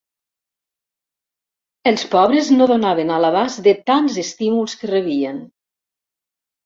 Els pobres no donaven a l'abast de tants estímuls que rebien.